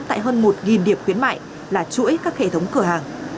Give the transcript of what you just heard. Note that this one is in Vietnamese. tại hơn một điểm khuyến mại là chuỗi các hệ thống cửa hàng